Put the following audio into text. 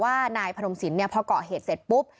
นายพนมสินพอเกาะเหตุเสร็จปุ๊บ